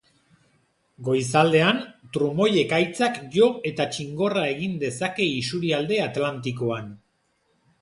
Goizaldean trumoi-ekaitzak jo eta txingorra egin dezake isurialde atlantikoan.